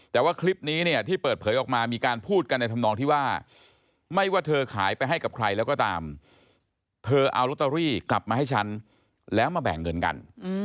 แต่ว่าคลิปนี้เนี่ยที่เปิดเผยออกมามีการพูดกันในธรรมนองที่ว่าไม่ว่าเธอขายไปให้กับใครแล้วก็ตามเธอเอาลอตเตอรี่กลับมาให้ฉันแล้วมาแบ่งเงินกัน